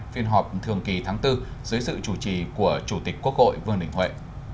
phiên họp thường kỳ tháng bốn dưới sự chủ trì của chủ tịch quốc hội vương đình huệ